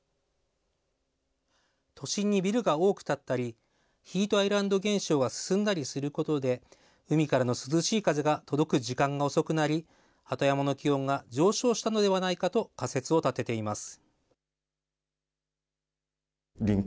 都心にビルが多く建ったり、ヒートアイランド現象が進んだりすることで、海からの涼しい風が届く時間が遅くなり、鳩山の気温が上昇したのではないかと仮説を立てています。